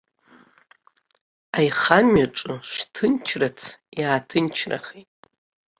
Аихамҩаҿы шҭынчрац иааҭынчрахеит.